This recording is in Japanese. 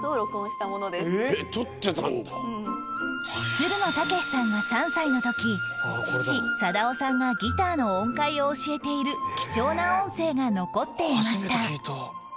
つるの剛士さんが３歳の時父貞雄さんがギターの音階を教えている貴重な音声が残っていました